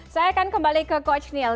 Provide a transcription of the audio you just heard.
saya akan kembali ke coach neil